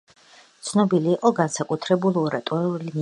ცნობილი იყო განსაკუთრებული ორატორული ნიჭით.